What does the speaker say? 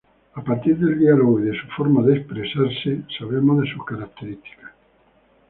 A partir del diálogo y de su forma de expresarse, sabemos de sus características.